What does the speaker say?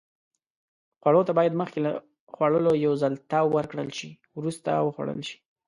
خوړو ته باید مخکې له خوړلو یو ځل تاو ورکړل شي. وروسته وخوړل شي.